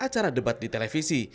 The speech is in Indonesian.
acara debat di televisi